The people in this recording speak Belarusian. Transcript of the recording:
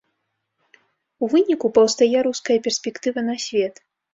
У выніку паўстае руская перспектыва на свет.